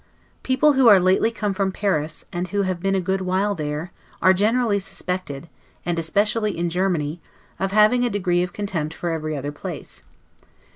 People who are lately come from Paris, and who have been a good while there, are generally suspected, and especially in Germany, of having a degree of contempt for every other place.